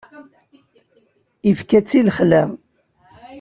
Ifka-tt i lexla.